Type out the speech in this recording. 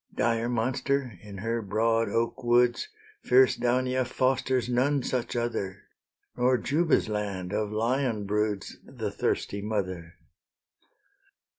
Dire monster! in her broad oak woods Fierce Daunia fosters none such other, Nor Juba's land, of lion broods The thirsty mother.